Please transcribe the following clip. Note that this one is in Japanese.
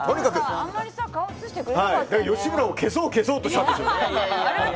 吉村を消そう消そうとしたんでしょう。